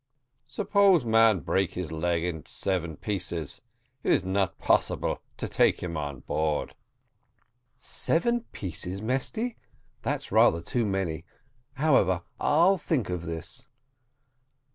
Suppose man break his leg in seven pieces, it is not possible to take him board." "Seven pieces, Mesty! that's rather too many. However, I'll think of this."